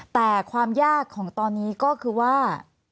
แต่ความยากของตอนนี้ก็คือว่า